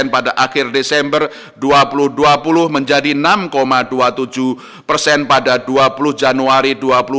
pada akhir desember dua ribu dua puluh menjadi enam dua puluh tujuh persen pada dua puluh januari dua ribu dua puluh